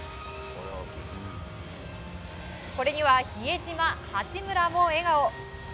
これには比江島、八村も笑顔。